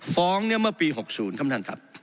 ฟ้องเนี่ยเมื่อปี๖๐ครับท่านครับ